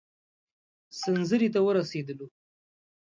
سنځري ته ورسېدلو.